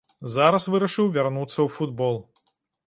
Зараз вырашыў вярнуцца ў футбол.